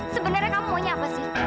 sebenarnya kamu maunya apa sih